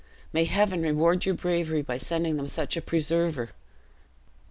may Heaven reward your bravery, by sending them such a preserver!"